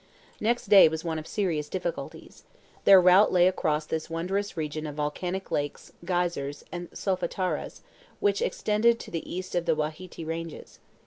Next day was one of serious difficulties. Their route lay across this wondrous region of volcanic lakes, geysers, and solfataras, which extended to the east of the Wahiti Ranges.